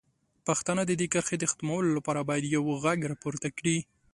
پښتانه د دې کرښې د ختمولو لپاره باید یو غږ راپورته کړي.